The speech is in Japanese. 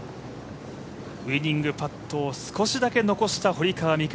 ウイニングパットを少しだけ残した堀川未来